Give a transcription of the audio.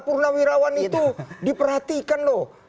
purnawirawan itu diperhatikan loh